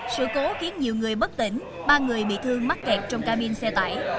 sự cố khiến nhiều người bất tỉnh ba người bị thương mắc kẹt trong cabin xe tải